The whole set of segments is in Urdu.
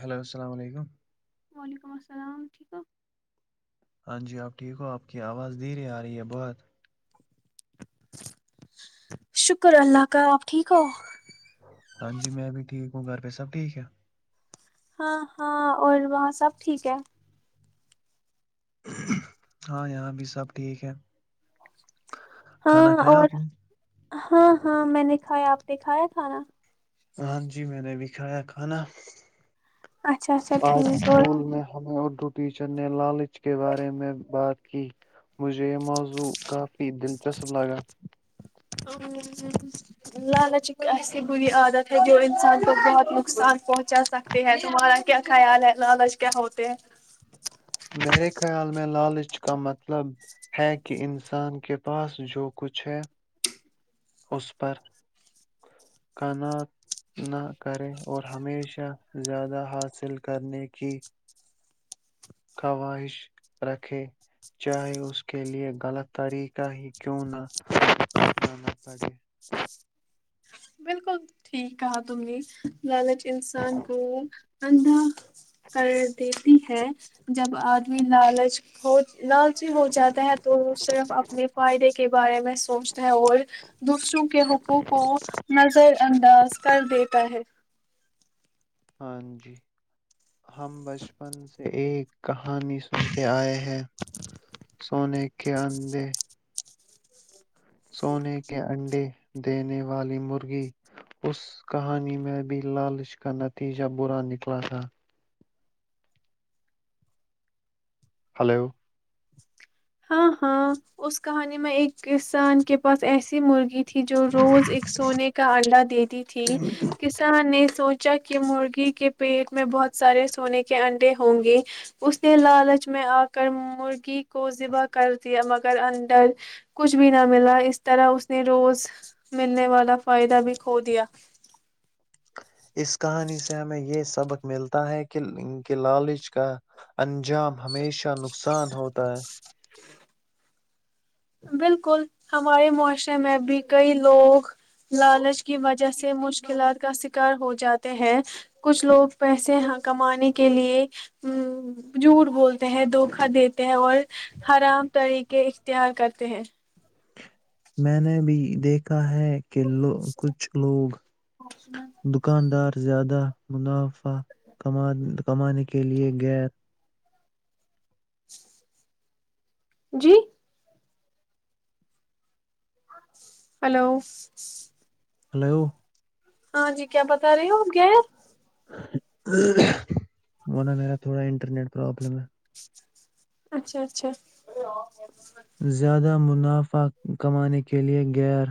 ہیلو السلام علیکم [unintelligible] ہاں جی آپ ٹھیک ہو آپ کی آواز دھیر ہی آ رہی ہے بہت شکر اللہ کا آپ ٹھیک ہو ہاں جی میں بھی ٹھیک گھر پہ سب ٹھیک ہے ہاں ہاں اور وہاں سب ٹھیک ہے ہاں یہاں بھی سب ٹھیک ہے کھانا ہاں کھایا اور آپ نے ہاں ہاں میں نے کھایا آپ نے کھایا کھانا ہاں جی میں نے بھی کایا کھانا اچھا اچھا آج ٹھیک اور پھول میں ہمیں ا روٹی چن لالچ کے بارے میں بات کہ مجھے یہ موضوع کافی دلچسپ لگا لالچ ایک ایسی بری عادت ہے جو انسان کو بہت نقصان پہنچا سکتے ہیں تمہارا کیا خیال ہے لالچ کیا ہوتے ہیں میرے خیال میں لالچ کا مطلب ہے کہ انسان کے پاس جو کچھ ہے اس پر کنا نہ کرے اور ہمیشہ زیادہ حاصل کرنے کی خواہش رکھے چاہے اس کے لے غلط طریقہ ہی کیوں نہ جانا پڑے بالکل ٹھیک کہا تم نے لالچ انسان کو اندا کر دیتی ہے جب آدمی لالچ ہو لالچی ہو جاتا ہے تو صرف اپنے فائدے کے بارے میں سوچتا ہے اور دوسروں کے حقوق کو نظر انداز کر دیتا ہے ہاں جی ہم بچپن سے ایک کہانی سنتے آئے ہیں سونے کے اندے سونے کے انڈے دینے والی مرغی اس کہانی میں بھی لالچ کا نتیجہ برا نکلا تھا ہلو ہاں ہاں اس کہانی میں ایک کسان کے پاس ایسی مرغی تھی جو روز ایک سونے کا اڈا دیتی تھی کسان نے سوچ کہ مرغی کے پیٹ میں بہت سارے سونے کے انڈے ہوں گے اس نے لالچ میں آ کر مرغی کو ذبح کر دیا اندر کچھ بھی نہ ملا اس طرح اس نے روز ملنے والا فائدہ بھی کھو دیا [inaudible] اس کہانی سے ہمیں یہ سبق ملتا ہے کہ ان کے لالچ کا انجام ہمیشہ نقصان ہوتا ہے بالکل ہمارے معاشرے میں بھی کئی لوگ لالچ کی وجہ سے مشکلات کا شکار ہو جاتے ہیں کچھ لوگ پیسے کمانے کے لیے ا جھوٹ بولتے ہیں دھوکا دیتے ہیں اور حرام طریقے اختیار کرتے ہیں [inaudible] میں نے بھی دیکھ ہیں کہ کچھ لوگ دکاندار [inaudible] زیادہ مناف [inaudible] کمان [inaudible] کمان [inaudible] کے لیے گیر جی ہلو ہلو ہاں جی کیا بتا رہی ہو آپ گ وہ نا میرا تھوڑا انٹرنیٹ پررابلم ہے [inaudible] اچھا اچھا زیادہ مک نافع کمانے کے لئے یر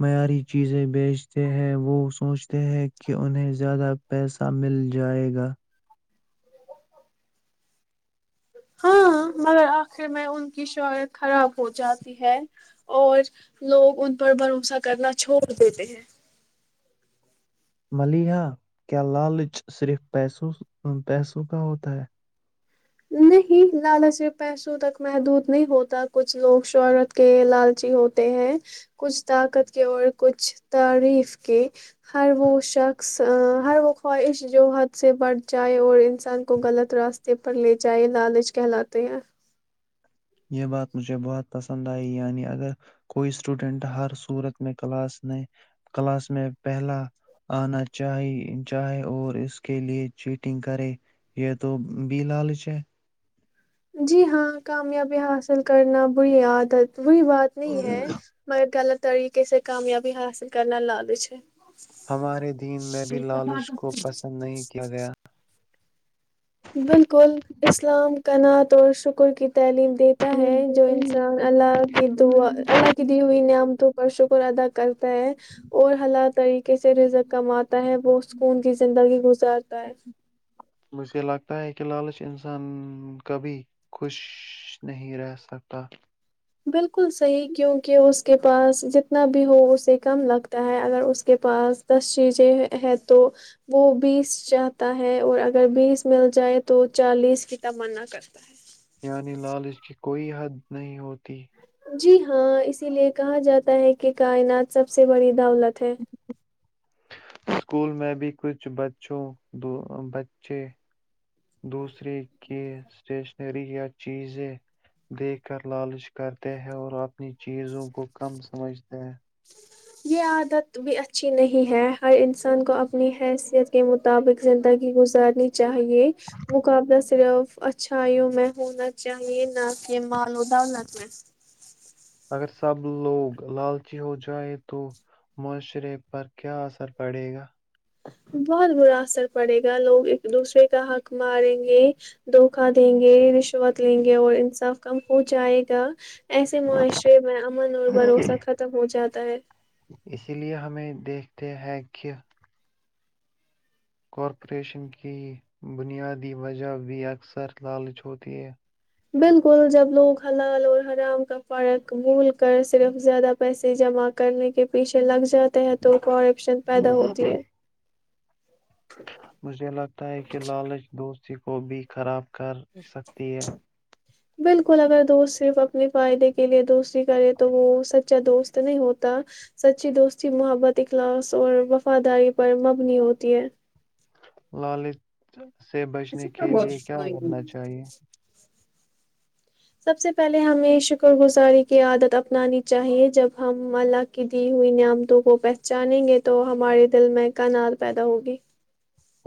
معیاری چیزیں بھی بیچتے ہیں وہ سوچ ہیں کہ انہیں زیادہ پیسہ مل جائے گا ہاں مگر آخر میں ان کی شہرت خراب ہو جاتی ہے اور لوگ ان پر بھروسہ کرنا چھوڑ دیتے ہیں [inaudible] ملحا کیا لالچ صرف پیسوں کا ہوتا ہے [inaudible] نہیں لالچ سے پیسوں تک محدود نہیں ہوتا کچھ لوگ شہرت کے لالچی ہوتے ہیں کچھ طاقت کے اور کچھ تعریف کے ہر وہ شخص ہر وہ خواہش جو حد سے بٹھ جائے اور انسان کو غلط راستے پر لے جائی لالچ کہلاتے ہیں [inaudible] یہ بات مجھے بہت پسند آئی یعنی اگر کوئی اسٹوڈینٹ ہر صورت میں کلاس میں کلاس میں پہلا آنا چی چاہے اور اس کے لیے چیٹنگ کرے یہ تو بھی لالچ ہے جی ہاں کامیابی حاصل کرنا بری عادت وہی بات نہیں ہے مگر غلط طریقے سے کامیابی حاصل کرنا لادےھ ہمارے دین میں بھی لالچ کو پسند نہیں کیا گیا بالکل اسلام کنعت اور شکر کی تعلیم دیتا ہے جو انسان اللہ کی دعا اللہ کی دی ہوئی نعمتوں پر شکر ادا کرتا ہے اور حالات طریقے سے رزک کماتا ہے وہ سکون کی زندگی گزارتا ہے مجھے لگتا ہے کہ لالچ انسان کبھی خوش نہیں رہ سکتا [unintelligible] بالکل صحیح کیونکہ اس کے پاس جتنا بھی ہو اسے کم لگتا ہے اگر اس کے پاس دس چیزیں ہے تو وہ بیس چاہتا ہے اور اگر بیس مل جائے تو چالیس کی تمنا کرتا ہے یعنی لال اس کی کوئی حد نہیں ہوتی جی ہاں اسی لیے کہا جاتا ہے کہ کائنات سب سے بڑی دولت ہے [unintelligible] اسکول میں بھی کچھ بچوں بچے دوسرے کی اسٹیشنری یا چیزیں دیکھ کر لالچ کرتے ہیں اور اپنی چیزوں کو کم سمجھتے ہیں یہ عادت بھی اچھی نہیں ہے ہر انسان کو اپنی حیثیت کے مطابق زندگی گزارنی چاہیے مقابلہ صرف اچھائیوں میں ہونا چاہیے نہ کہ مود اگر سب لوگ لالچی ہو جائے تو معاشرے پر کیا اثر پڑے گا بہت برا اثر پڑے گا لوگ ایک دوسرے کا حق ماریں گے دھوکا دیں گے رشوت لیں گے اور انصاف کم ہو جائے گا ایسے معاشرے میں امن اور بھروسہ ختم ہو جاتا تا اسی لیے ہمیں دیکھتے ہیں کہ کارپوریشن کی بنیادی وجہ بھی اکثر لالچ ہوتی ہے بالکل جب لوگ حلال اور حرام کا فرق بھول کر صرف زیادہ پیسے جمع کرنے کے پیچھے لگ جاتے ہیں تو کار ن پیدا ہوتی ہے مجھے لگتا ہے کہ لالچ دوست کسی کو بھی خراب کر سکتی ہے بالکل اگر دوست صرف اپنے فائدے کے لیئے دوستی کرے تو وہ سچا دوست نہیں ہوتا سچی دوستی محبت اخلاص اور وفاداری پر مبنی ہوتی ہے لال سے بچنے کے لیے کیا کرنا چاہیے سب سے پہلے ہمیں شکر گزاری کی عادت اپنانی چاہیے جب ہم اللہ کی دی ہوئی نعمتوں کو پہچانیں گے تو ہمارے دل میں کنار پیدا ہوگی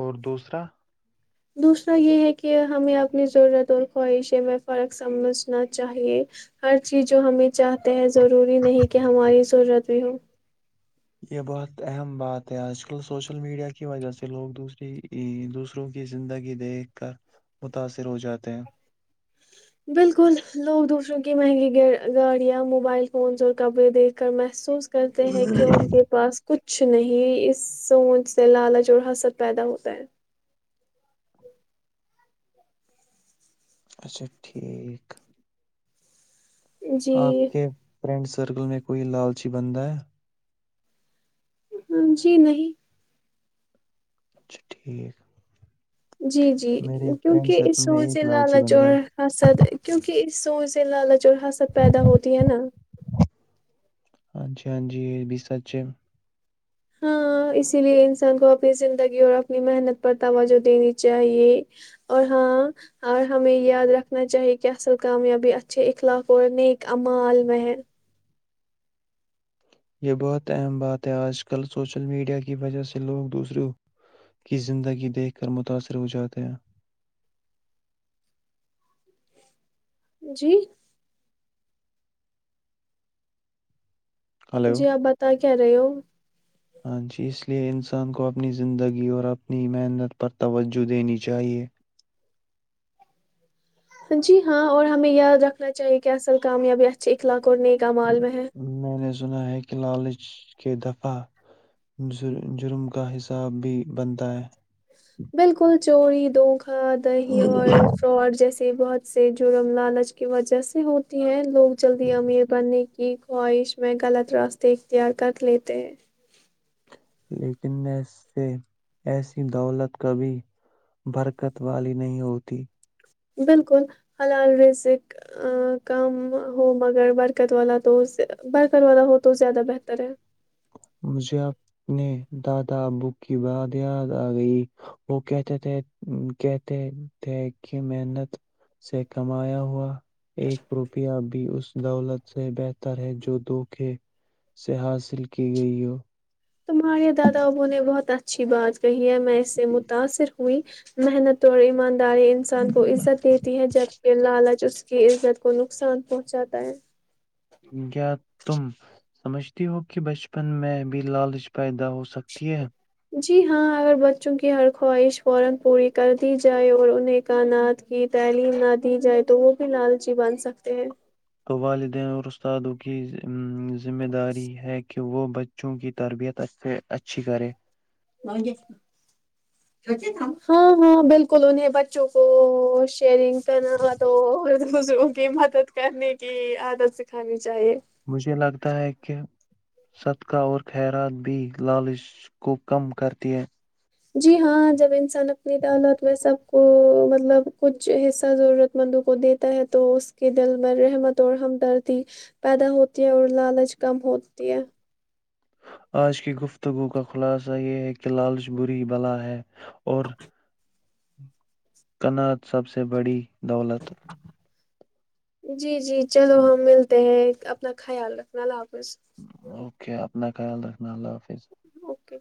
اور دوسرا دوسرا یہ ہے کہ ہمیں اپنی ضرورت اور خواہشیں میں فرق سمجھنا چاہیے ہر چیز جو ہمیں چاہتے ہیں ضروری نہیں کہ ہماری ضرورت بھی ہو یہ بہت اہم بات ہے آج کل سوشل میڈیا کی وجہ سے لوگ دوسری دوسروں کی زندگی دیکھ کر متاثر ہو جاتے ہیں بالکل لوگ دوسروں کی مہنگی گاڑیاں موبائل فونس اور کپڑے دیکھ کر محسوس کرتے ہیں کہ ان کے پاس کچھ نہیں اس سوچ سے لالچ اور حسد پیدا ہوتا ہے اچھا ٹھیک آپ جی کے فرینڈس سرکل میں کوئی لالچی بن ہے جی نہیں اھ ٹھیک جی جی میرے فرینڈ کیونکہ اس سرکل سو میں سے ایک لالچی بندہ لالچوڑ ہے خاصد کیونکہ اس سور سے لالچ اور ح ست پیدا ہوتی ہے نا ہاں جی ہاں جی بی سرچ ہاں اسی لیے انسان کو اپنی زندگی اور اپنی محنت پر توجہ دینی چاہیے اور ہاں اور ہمیں یاد رکھنا چاہیے کہ اصل کامیابی اچھے اخلاق اور نیک امال میں ہے یہ بہت اہم بات ہے آج کل سوشل میڈیا کی وجہ سے لوگ دوسروں کی زندگی دیکھ کر متاثر ہو جاتے ہیں جی ہلو جی آپ بتیں گے کیا رہے ہو ہاں جی اس لئے انسان کو اپنی زندگی اور اپنی محنت پر توجہ دینی چاہیئے جی ہاں اور ہمیں یاد رکھنا چاہیے کہ اصل کامیابی اچھے اخلاق کرنے کا مالوم ہے میں نے سنا ہے کہ لالچ کے دفعہ جرم کا حساب بھی بنتا ہے بالکل چوری دو ہاں دہی اور فراڈ جیس بہت سے جرم لالچ کی وجہ سے ہوتی ہیں لوگ جلد امییر پنے کی خواہش میں غلط راستے اختیار کر لیتے ہیں لیکن اس سے ایسی دولت کبھی برکت والی نہیں ہوتی بالکل حلال رزق کم ہو مگر برکت والا تو برکت والا ہو تو زیادہ بہتر ہے مجھے اپنے دادا ابو کی بات یاد آ گئی وہ کہتے تھے کہتے تھے کہ محنت سے کمایا ہوا ایک روپیہ بھی اس دولت سے بہتر ہے جو دھوکے سے حاصل کی کی گئی ہو تمہارے دادا بو نے بہت اچھا اچھی بات توہیا میں اس سے متاأثر ائی محنت تو اور، ان ارے انسان کو عزت دیتی ہیں جبکہ لالچ جس کی عزت کو نقصان پہنچاتا ہے کیا تم سمجھتی ہو کہ بچپن میں بھی لالچ پیدا ہو سکتی ہے جی ہاں اگر بچوں کی ہر خواہش فورا پوری کر دی جائے اور انہیں کائنات کی تعلیم نہ دی جائے تو وہ بھی لالچی بن توبال د اورستا دو کہ ذمہ داری ہے کہ کہ وہ بچوں کی تربیت سے اچھی کرے ہاں ہاں بالکل انہیں بچوں کو شیئرنگ کرنا تو دوسروں کی مدد کرنے کی عادت سکھانی چاہیے مجھے لگتا ہے کہ صدقہ اور خیرات بھی لالچ کو کم کرتی ہیں جی ہاں جب انسان اپنی دالت میں سب کو مطلب کچھ حصہ ضرورت مندوں کو دیتا ہے تو اس کے دل میں رحمت اور ہمدردی پیدا ہوتی ہے اور لالچ کم ہوتی ہے آج کی گفتگو کا خلاصہ یہ ہے کہ لالچ بری بلا ہے اور کنعت سب سے بڑی دولت جی جی چلو ہم ملتے ہیں اپنا خیال رکھنا لاپ اوکے آپ اپنا خیال رکھنا اللہ حافظ اوکے